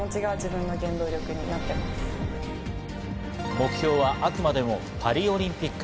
目標はあくまでもパリオリンピック。